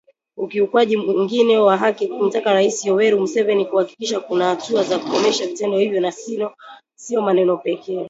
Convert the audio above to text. Ukiukwaji mwingine wa haki akimtaka Rais Yoweri Museveni kuhakikisha kuna hatua za kukomesha vitendo hivyo na sio maneno pekee